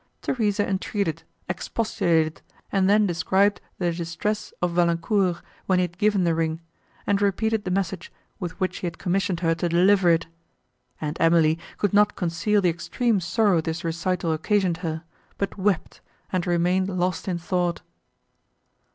Theresa entreated, expostulated, and then described the distress of Valancourt, when he had given the ring, and repeated the message, with which he had commissioned her to deliver it; and Emily could not conceal the extreme sorrow this recital occasioned her, but wept, and remained lost in thought.